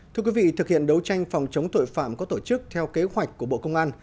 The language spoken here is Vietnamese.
thưa quý vị thực hiện đấu tranh phòng chống tội phạm có tổ chức theo kế hoạch của bộ công an